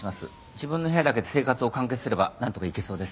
自分の部屋だけで生活を完結すればなんとかいけそうです。